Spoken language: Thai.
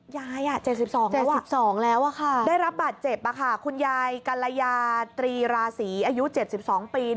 ยาย๗๒แล้ว๑๒แล้วได้รับบาดเจ็บคุณยายกัลยาตรีราศีอายุ๗๒ปี